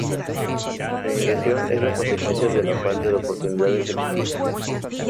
La emigración es la consecuencia de la falta de oportunidades económicas.